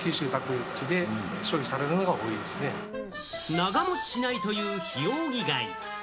長持ちしないというヒオウギ貝。